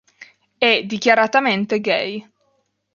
E' dichiaratamente gay.